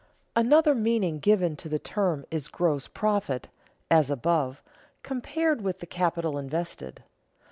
Another meaning given to the term is gross profit (as above) compared with the capital invested.